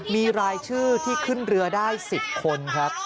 มีรายชื่อที่ขึ้นเรือได้๑๐คนครับ